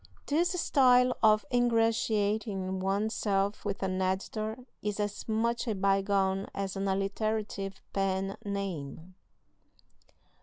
This style of ingratiating one's self with an editor is as much a bygone as an alliterative pen name.